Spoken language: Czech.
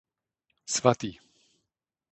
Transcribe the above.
Svatý.